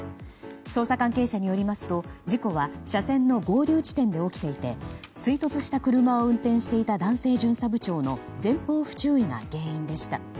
捜査関係者によりますと、事故は車線の合流地点で起きていて追突した車を運転していた男性巡査部長の前方不注意が原因でした。